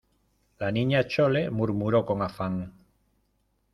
la Niña Chole murmuró con afán: